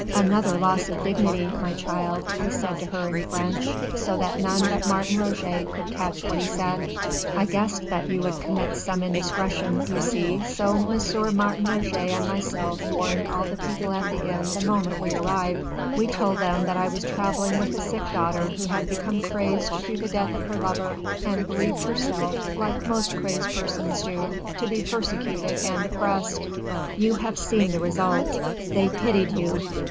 "Another loss of dignity, my child," he said to her in French, so that none but Martin Roget could catch what he said. "I guessed that you would commit some indiscretion, you see, so M. Martin Roget and myself warned all the people at the inn the moment we arrived. We told them that I was travelling with a sick daughter who had become crazed through the death of her lover, and believed herself like most crazed persons do to be persecuted and oppressed. You have seen the result. They pitied you.